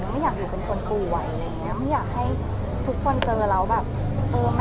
ไม่อยากอยู่เป็นคนป่วยไม่อยากให้ทุกคนเจอเราแบบ